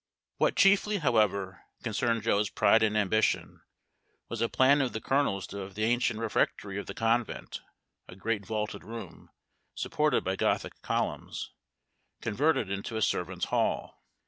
What chiefly, however, concerned Joe's pride and ambition, was a plan of the Colonel's to have the ancient refectory of the convent, a great vaulted room, supported by Gothic columns, converted into a servants' hall.